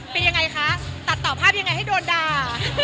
เป็นยังไงคะตัดต่อภาพยังไงให้โดนด่า